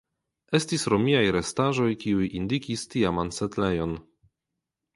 Estis romiaj restaĵoj kiuj indikis tiaman setlejon.